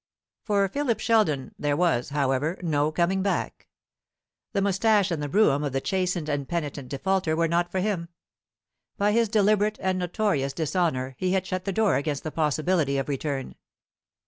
For Philip Sheldon there was, however, no coming back. The moustache and the brougham of the chastened and penitent defaulter were not for him. By his deliberate and notorious dishonour he had shut the door against the possibility of return.